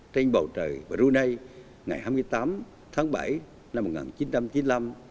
trên bầu trời brunei ngày hai mươi tám tháng bảy năm một nghìn chín trăm chín mươi năm